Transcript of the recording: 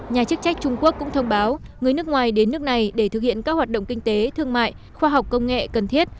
nhà chức trách trung quốc cũng thông báo người nước ngoài đến nước này để thực hiện các hoạt động kinh tế thương mại khoa học công nghệ cần thiết